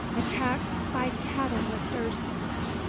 ATTACKED BY CATTLE LIFTERS.